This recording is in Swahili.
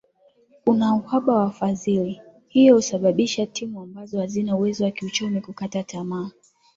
kuna uhaba wa wafadhiliː hiyo husababisha timu ambazo hazina uwezo wa kiuchumi kukata tamaa